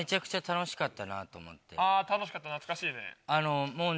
楽しかった懐かしいね。